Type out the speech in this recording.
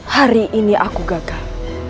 hari ini aku gagal